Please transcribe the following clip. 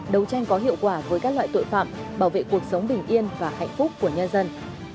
đấu tranh có hiệu quả với các loại tội phạm bảo vệ cuộc sống bình yên và hạnh phúc của nhân dân